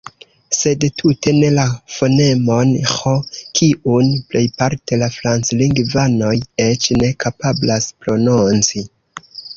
Sed tute ne la fonemon Ĥ, kiun plejparte la franclingvanoj eĉ ne kapablas prononci.